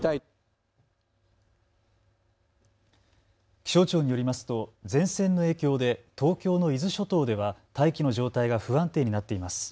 気象庁によりますと前線の影響で東京の伊豆諸島では大気の状態が不安定になっています。